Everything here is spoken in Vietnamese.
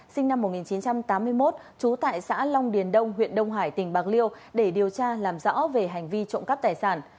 sinh năm một nghìn chín trăm tám mươi một trú tại xã long điền đông huyện đông hải tỉnh bạc liêu để điều tra làm rõ về hành vi trộm cắp tài sản